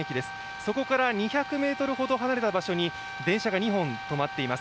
そこから２００ｍほど離れた場所に電車が２本止まっています。